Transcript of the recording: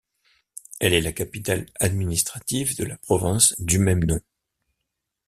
Elle est la capitale administrative de la province du même nom.